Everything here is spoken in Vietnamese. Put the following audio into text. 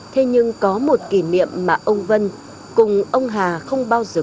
thế nhưng có một kỷ niệm mà ông vân cùng ông hà không bao giờ có thể tham gia